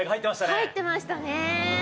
宮村：入ってましたね！